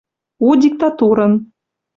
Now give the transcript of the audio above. у диктатурын.